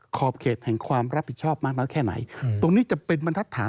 ขอบเขตแห่งความรับผิดชอบมากน้อยแค่ไหนตรงนี้จะเป็นบรรทัศน์